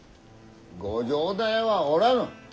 ご城代はおらぬ。